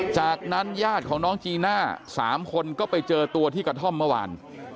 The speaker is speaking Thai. จากนั้นญาติของน้องจีน่า๓คนก็ไปเจอตัวที่กระท่อมเมื่อวาน